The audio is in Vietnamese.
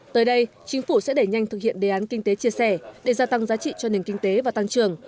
tới đây chính phủ sẽ đẩy nhanh thực hiện đề án kinh tế chia sẻ để gia tăng giá trị cho nền kinh tế và tăng trưởng